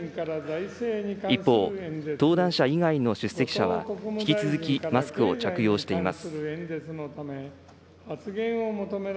一方、登壇者以外の出席者は、引き続き、マスクを着用しています。